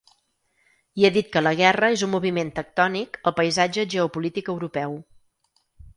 I ha dit que la guerra és un moviment tectònic al paisatge geopolític europeu.